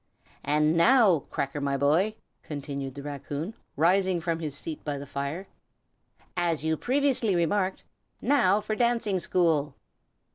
"And now, Cracker, my boy," continued the raccoon, rising from his seat by the fire, "as you previously remarked, now for dancing school!"